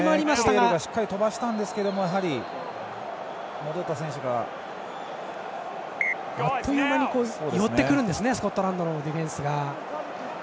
デクラークがしっかり飛ばしたんですがあっという間に寄ってくるんですねスコットランドのディフェンスが。